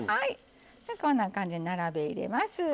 こんな感じに並べ入れます。